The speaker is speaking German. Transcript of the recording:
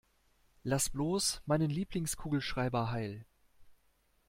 Lass bloß meinen Lieblingskugelschreiber heil!